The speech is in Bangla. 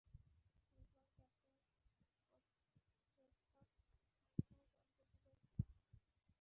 বুঝলাম, ক্যাপ্টেন প্রেসকট, আপনার পদ্ধতিটাই সেরা।